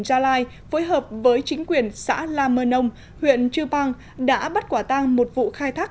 gia lai phối hợp với chính quyền xã la mơ nông huyện chư păng đã bắt quả tang một vụ khai thác